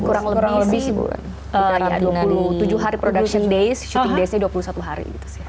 kurang lebih sih dua puluh tujuh hari production days shooting daysnya dua puluh satu hari gitu sih